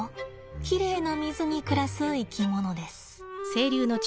きれいな水に暮らす生き物です。